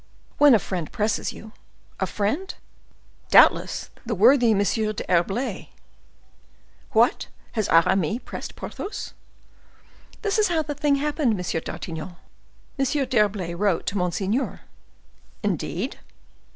"When a friend presses you—" "A friend?" "Doubtless—the worthy M. d'Herblay." "What, has Aramis pressed Porthos?" "This is how the thing happened, Monsieur d'Artagnan. M. d'Herblay wrote to monseigneur—" "Indeed!"